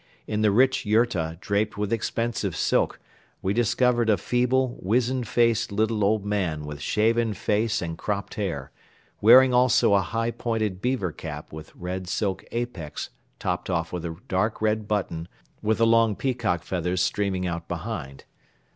In the rich yurta draped with expensive silk we discovered a feeble, wizen faced little old man with shaven face and cropped hair, wearing also a high pointed beaver cap with red silk apex topped off with a dark red button with the long peacock feathers streaming out behind.